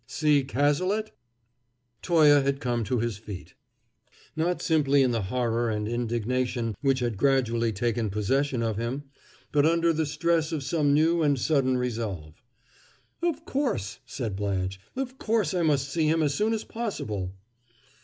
"See Cazalet?" Toye had come to his feet, not simply in the horror and indignation which had gradually taken possession of him, but under the stress of some new and sudden resolve. "Of course," said Blanche; "of course I must see him as soon as possible."